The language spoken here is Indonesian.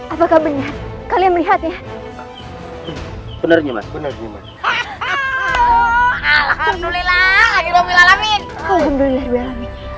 apakah benar kalian melihatnya benarnya